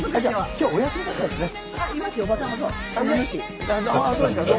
今日はお休みだったんですね。